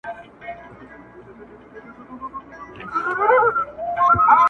ما له پلاره اورېدلي په کتاب کي مي لیدلي؛